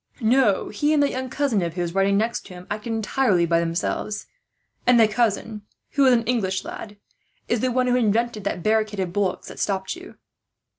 "No, he and that young cousin of his, riding next to him, acted entirely by themselves; and the cousin, who is an English lad, is the one who invented that barricade of bullocks that stopped you."